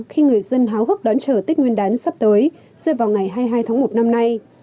khi người dân háo hức đón chờ tết nguyên đán sắp tới rơi vào ngày hai mươi hai tháng một năm nay